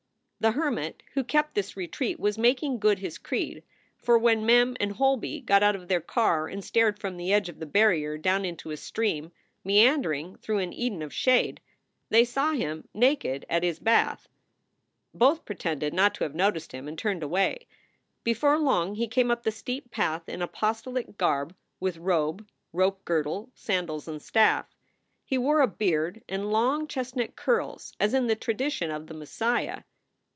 The hermit who kept this retreat was making good his creed, for when Mem and Holby got out of their car and stared from the edge of the barrier down into a stream meandering through an Eden of shade, they saw him naked at his bath. Both pretended not to have noticed him and turned away. Before long he came up the steep path in apostolic garb with robe, rope girdle, sandals, and staff. He wore a beard and long chestnut curls as in the tradition of the Messiah.